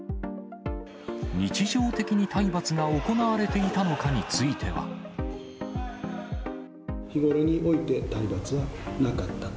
日常的に体罰が行われていたのか日頃において、体罰はなかったと。